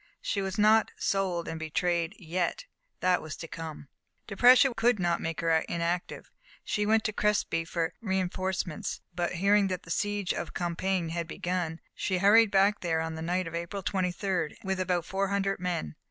She was not "sold and betrayed" yet; that was to come. Depression could not make her inactive. She went to Crespy for reinforcements, but hearing that the siege of Compiègne had begun, she hurried back there on the night of April 23rd, with about four hundred men.